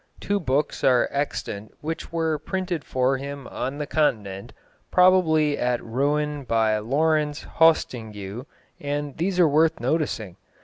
Two books are extant which were printed for him on the continent, probably at Rouen by Laurence Hostingue, and these are worth noticing.